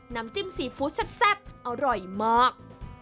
น้ำจิ้มซีฟู้ดแซ่บอร่อยมาก